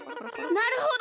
なるほど。